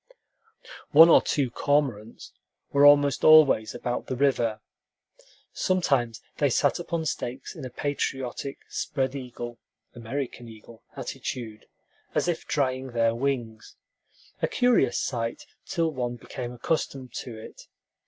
One or two cormorants were almost always about the river. Sometimes they sat upon stakes in a patriotic, spread eagle (American eagle) attitude, as if drying their wings, a curious sight till one became accustomed to it.